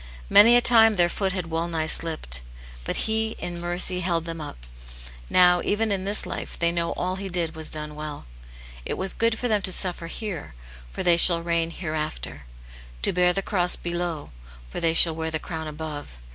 Many a time their foot had well nigh slipped ; but He, in mercy, held them up ; now, even in this life, they know all he did was done well. It was good for them to suffer hcrcy for they shall reign hereafter — to bear the cross below, for they shall wear the crown ^^^z;^ .